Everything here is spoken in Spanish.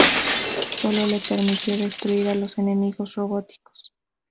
Sólo se le permitió destruir a los enemigos robóticos.